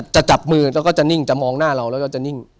จับมือแล้วก็จะนิ่งจะมองหน้าเราแล้วก็จะนิ่ง